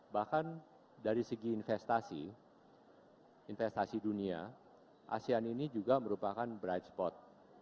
bahkan dari segi investasi investasi dunia asean ini juga merupakan bright spot